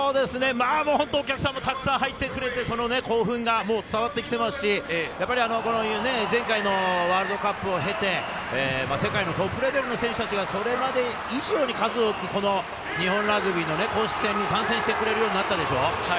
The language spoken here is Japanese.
もう本当、お客さんもたくさん入ってくれて、その興奮が伝わってきてますし、前回のワールドカップを経て、世界のトップレベルの選手たちがそれまで以上に数多く、この日本ラグビーの公式戦に参戦してくれるようになったでしょ。